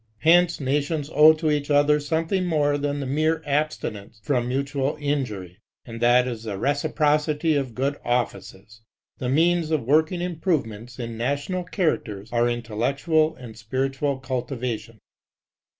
Hence nations owe to each something more than the mere abstinence from mutual injury , and that is the reciprocity of good offices. The means of working improvements in national characters are intellectual and spiritual cultivation.